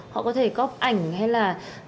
họ có thể có ảnh hay là